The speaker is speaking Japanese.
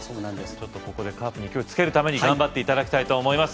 ちょっとここでカープに勢いつけるために頑張って頂きたいと思います